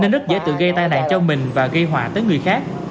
nên rất dễ tự gây tai nạn cho mình và gây hỏa tới người khác